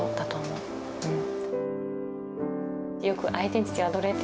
うん。